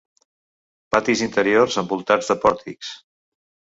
Patis interiors envoltats de pòrtics.